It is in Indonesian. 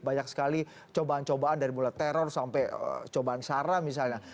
banyak sekali cobaan cobaan dari mulai teror sampai cobaan sara misalnya